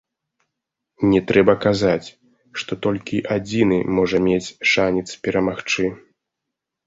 Не трэба казаць, што толькі адзіны можа мець шанец перамагчы.